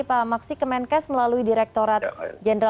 pak maksi ke menkes melalui direktorat general pemirsa